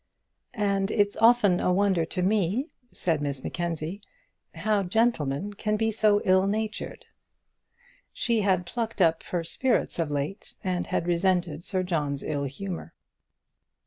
"And it's often a wonder to me," said Miss Mackenzie, "how gentlemen can be so ill natured." She had plucked up her spirits of late, and had resented Sir John's ill humour.